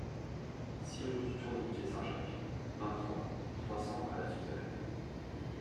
six rue du Tourniquet Saint-Jacques, vingt-trois, trois cents à La Souterraine